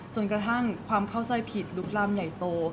จนกระทั่งความเข้าใจผิดลุกลามใหญ่โต